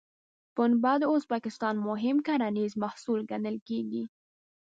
پنبه د ازبکستان مهم کرنیز محصول ګڼل کېږي.